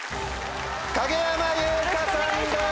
影山優佳さんです！